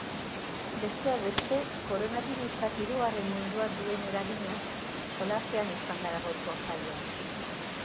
Besteak beste, koronabirusak hirugarren munduan duen eraginaz solasean izan gara gaurko saioan.